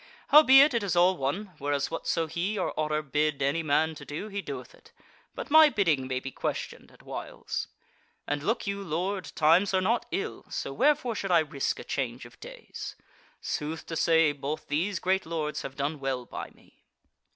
Howbeit it is all one, whereas whatso he or Otter bid any man to do, he doeth it, but my bidding may be questioned at whiles. And look you, lord, times are not ill, so wherefore should I risk a change of days? Sooth to say, both these great lords have done well by me."